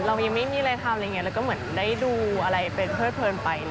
เรายังไม่มีอะไรทำเราก็เหมือนได้ดูอะไรเป็นเพลิดเพลินไป